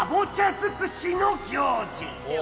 づくしの行事。